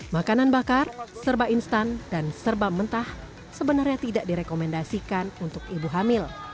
makanan bakar serba instan dan serba mentah sebenarnya tidak direkomendasikan untuk ibu hamil